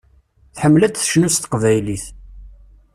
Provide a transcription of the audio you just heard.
Tḥemmel ad tecnu s teqbaylit.